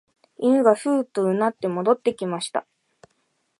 犬がふうと唸って戻ってきました